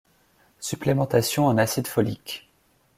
Supplémentation en acide folique.